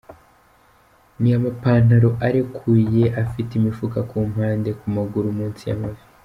Ni amapantalo arekuye, afite imifuka ku mpande, ku maguru munsi y’amavi.